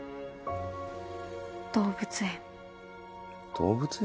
動物園。